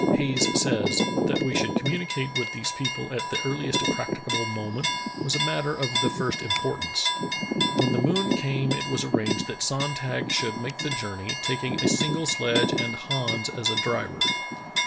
Hayes says: "That we should com municate with these people at the earliest practicable moment was a matter of the first importance. When the moon came it was arranged that Sonntag should 164 True Tales of Arctic Heroism make the journey, taking a single sledge and Hans as a driver.